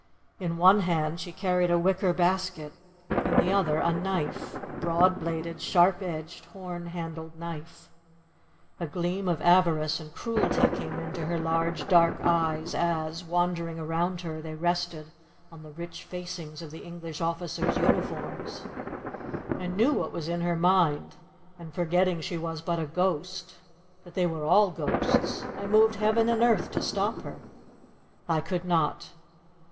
In one hand she carried a wicker basket, in the other a knife, a broad bladed, sharp edged, horn handled knife. A gleam of avarice and cruelty came into her large dark eyes, as, wandering around her, they rested on the rich facings of the English officers' uniforms. I knew what was in her mind, and—forgetting she was but a ghost—that they were all ghosts—I moved heaven and earth to stop her. I could not.